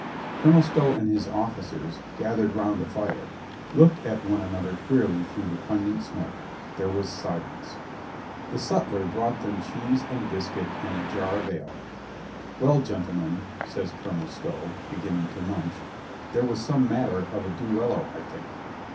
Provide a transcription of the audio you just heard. Colonel Stow and his offi cers, gathered round a fire, looked at one another queerly through the pungent smoke. There was silence. The sutler brought them cheese and biscuit and 187 i88 COLONEL GREATHEART a jar of ale. "Well, gentlemen," says Colonel Stow, beginning to munch, "there was some matter of a duello, I think.